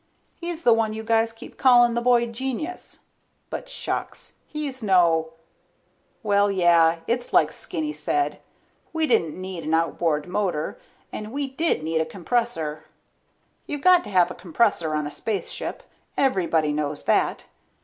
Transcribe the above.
He's the one you guys keep calling the boy genius, but shucks, he's no ... Well, yeah, it's like Skinny said, we didn't need an outboard motor, and we did need a compressor. You've got to have a compressor on a spaceship, everybody knows that.